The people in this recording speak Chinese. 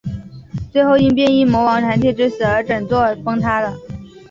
最后因变异魔王膻气之死而整座崩塌了。